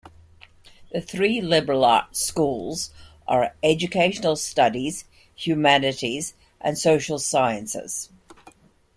The three liberal arts schools are Educational Studies, Humanities, and Social Sciences.